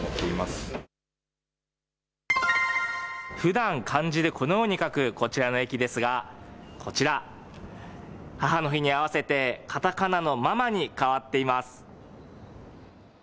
ふだん、漢字でこのように書くこちらの駅ですが母の日に合わせてカタカナのママに変わっています。